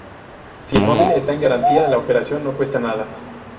Si el móvil está en garantía, la operación no cuesta nada.